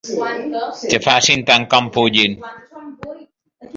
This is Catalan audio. Que facin tant com puguin.